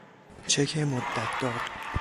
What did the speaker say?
چک مدت دار